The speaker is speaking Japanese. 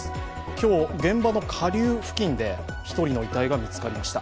今日、現場の下流付近で１人の遺体が見つかりました。